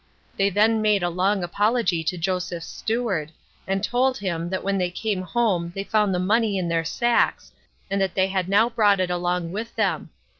They then made a long apology to Joseph's steward; and told him, that when they came home they found the money in their sacks, and that they had now brought it along with them.